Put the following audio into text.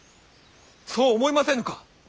そう思いませぬか？